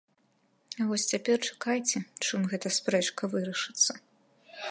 Вось цяпер чакайце, чым гэтая спрэчка вырашыцца.